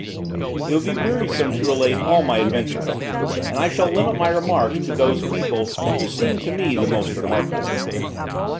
It would be wearisome to relate all my adventures, and I shall limit my remarks to those people who seemed to me the most remarkable.